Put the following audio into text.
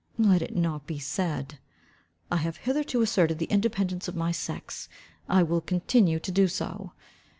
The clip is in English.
let it not be said. I have hitherto asserted the independence of my sex, I will continue to do so.